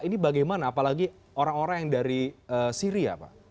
ini bagaimana apalagi orang orang yang dari syria pak